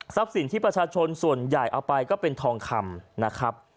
สินที่ประชาชนส่วนใหญ่เอาไปก็เป็นทองคำนะครับ